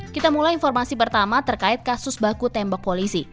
kita mulai informasi pertama terkait kasus baku tembak polisi